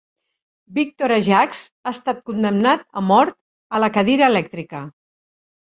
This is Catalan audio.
Victor Ajax ha estat condemnat a mort, a la cadira elèctrica.